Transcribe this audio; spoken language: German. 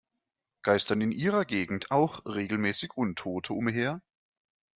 Geistern in Ihrer Gegend auch regelmäßig Untote umher?